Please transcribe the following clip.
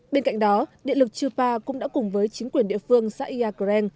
bên cạnh đó địa lực chupa cũng đã cùng với chính quyền địa phương xã yagre